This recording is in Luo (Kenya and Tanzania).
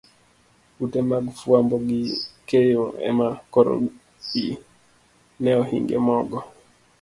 Ute mag fuambo gi keyo ema koro pi ne ohinge mogo.